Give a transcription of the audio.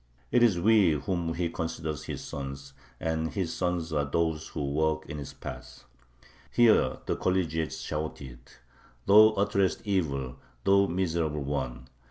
It is we whom He considers His sons, and His sons are those who walk in His paths." Here the collegiates shouted: "Thou utterest evil, thou miserable one!